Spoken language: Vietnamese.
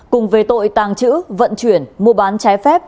cùng về tội tàng trữ vận chuyển mua bán trái phép